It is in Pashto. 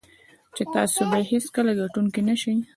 چې تاسو به یې هېڅکله ګټونکی نه شئ.